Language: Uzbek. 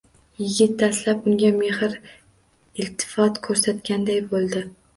Yigit dastlab unga mehr-iltifot koʻrsatganday boʻldi